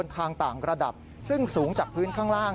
ทางต่างระดับซึ่งสูงจากพื้นข้างล่าง